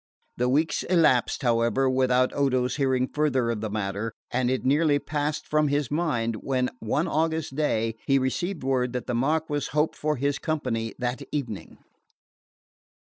The weeks elapsed, however, without Odo's hearing further of the matter, and it had nearly passed from his mind when one August day he received word that the Marquess hoped for his company that evening.